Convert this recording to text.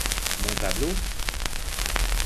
Mon tableau?